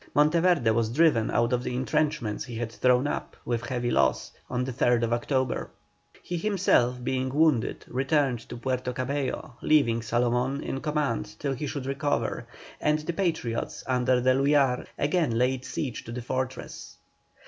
Monteverde was driven out of the entrenchments he had thrown up, with heavy loss, on the 3rd October. He himself being wounded returned to Puerto Cabello, leaving Salomón in command till he should recover, and the Patriots under D'Eluyar again laid siege to this fortress.